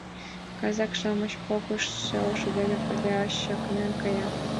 Казак-шамыч погыштге ошо дене пырля чакнен каят.